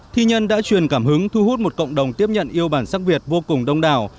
thi nhân đã truyền cảm hứng thu hút một cộng đồng tiếp nhận yêu bản sắc việt vô cùng đông đảo